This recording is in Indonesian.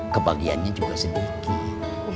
kebagiannya juga sedikit